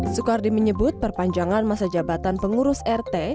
soekardi menyebut perpanjangan masa jabatan pengurus rt